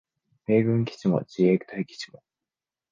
米軍基地も自衛隊基地も